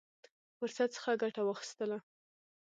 فرصت څخه ګټه واخیستله.